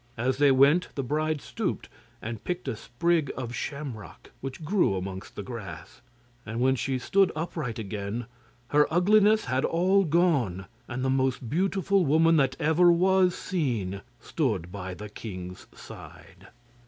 As they went, the bride stooped and picked a sprig of shamrock, which grew amongst the grass, and when she stood upright again her ugliness had all gone, and the most beautiful woman that ever was seen stood by the king's side.